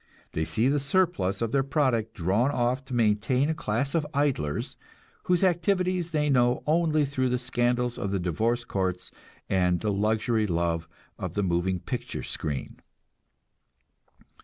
They see the surplus of their product drawn off to maintain a class of idlers, whose activities they know only through the scandals of the divorce courts and the luxury love of the moving picture screen.